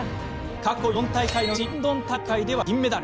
過去４大会のうちロンドン大会では銀メダル。